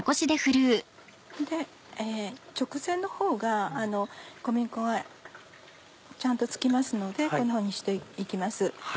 で直前のほうが小麦粉がちゃんと付きますのでこんなふうにして行きます。